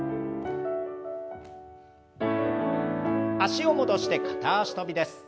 脚を戻して片脚跳びです。